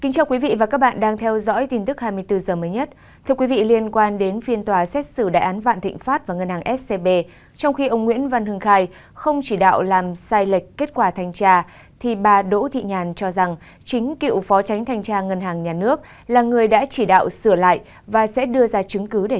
chào mừng quý vị đến với bộ phim hãy nhớ like share và đăng ký kênh của chúng mình nhé